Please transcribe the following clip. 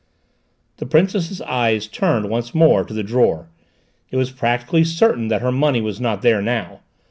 The Princess's eyes turned once more to the drawer: it was practically certain that her money was not there now!